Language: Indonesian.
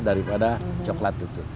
daripada coklat itu